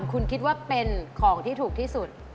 คุณคิดว่าเป็นของที่ถูกที่สุด